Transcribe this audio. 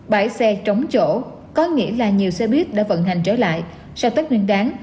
bãi xe trống chỗ có nghĩa là nhiều xe buýt đã vận hành trở lại sau tết nguyên đáng